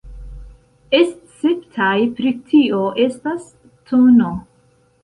Esceptaj pri tio estas tn.